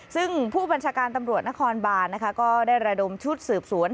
ซึ่งผู้บัญชาการตำรวจนครบานนะคะก็ได้ระดมชุดสืบสวน